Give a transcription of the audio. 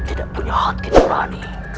tidak punya hati terani